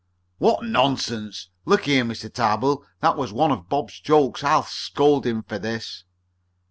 "What nonsense! Look here, Mr. Tarbill, that was one of Bob's jokes. I'll scold him for this."